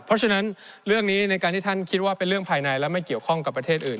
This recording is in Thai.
เพราะฉะนั้นเรื่องนี้ในการที่ท่านคิดว่าเป็นเรื่องภายในและไม่เกี่ยวข้องกับประเทศอื่น